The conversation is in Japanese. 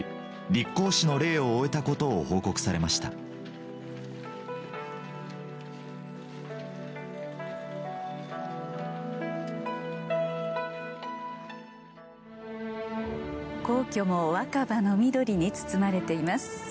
立皇嗣の礼を終えたことを報告されました皇居も若葉の緑に包まれています。